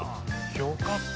よかった。